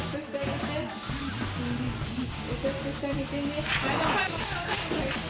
優しくしてあげてね。